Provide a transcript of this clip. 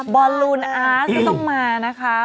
บอลลูนอาร์ตก็ต้องมานะคะ